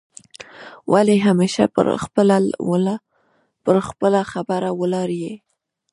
ولي همېشه پر خپله خبره ولاړ یې؟